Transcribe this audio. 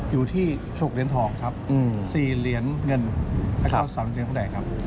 อยู่ที่๖เดือนทองครับ๔เดือนเงินแล้วก็๓เดือนเงินตรงไหนครับ